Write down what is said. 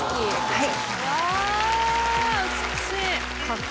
はい。